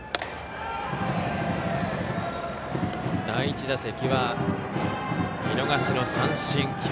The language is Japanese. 第１打席は、見逃しの三振。